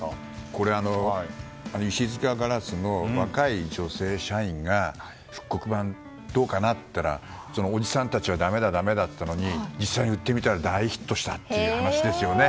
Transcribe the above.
石塚硝子の若い女性社員が復刻版、どうかな？って言ったらおじさんたちがだめだ、だめだって言ったのに実際に売ってみたら大ヒットしたという話ですね。